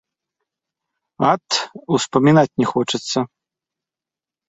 Ат, успамінаць не хочацца.